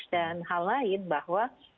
dan hal lain bahwa